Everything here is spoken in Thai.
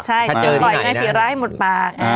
ใช่ถ้าเจอด้วยไหนละต่อยไอ้ศาระให้หมดปาก